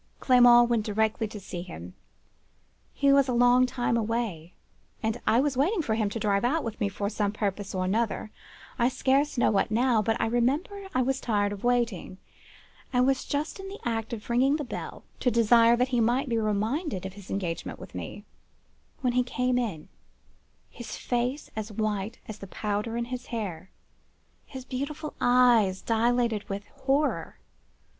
Clement went directly to see him. He was a long time away, and I was waiting for him to drive out with me, for some purpose or another, I scarce know what, but I remember I was tired of waiting, and was just in the act of ringing the bell to desire that he might be reminded of his engagement with me, when he came in, his face as white as the powder in his hair, his beautiful eyes dilated with horror.